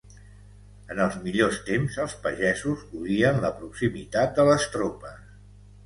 En els millors temps els pagesos odien la proximitat de les tropes